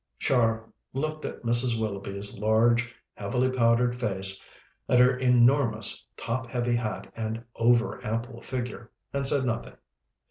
"] Char looked at Mrs. Willoughby's large, heavily powdered face, at her enormous top heavy hat and over ample figure, and said nothing.